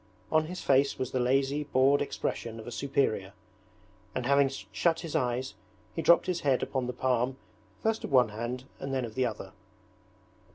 On his face was the lazy, bored expression of a superior, and having shut his eyes he dropped his head upon the palm first of one hand and then of the other.